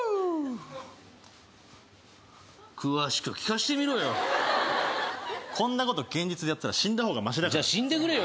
詳しく聞かしてみろよこんなこと現実でやってたら死んだほうがマシだからじゃあ死んでくれよ